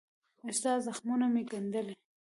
ستا زخمونه مې ګنډلي